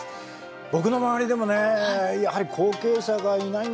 僕の周りでもねやはり後継者がいないんだよ。